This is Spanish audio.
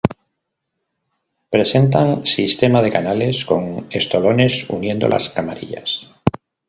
Presentan sistema de canales, con estolones uniendo las camarillas.